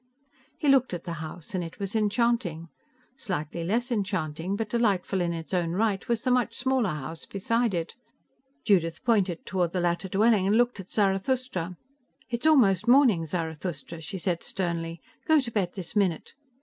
He looked at the house, and it was enchanting. Slightly less enchanting, but delightful in its own right, was the much smaller house beside it. Judith pointed toward the latter dwelling and looked at Zarathustra. "It's almost morning, Zarathustra," she said sternly. "Go to bed this minute!"